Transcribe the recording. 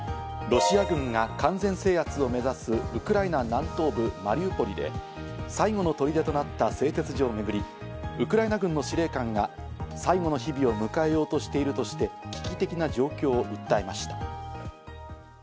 ロシア軍が完全制圧を目指すウクライナ南東部マリウポリで、最後の砦となった製鉄所をめぐりウクライナ軍の司令官が最後の日々を迎えようとしているとして危機的な状況を訴えました。